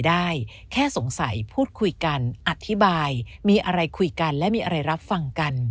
ได้แค่สงสัยพูดคุยกันอธิบายมีอะไรคุยกันและมีอะไรรับฟังกัน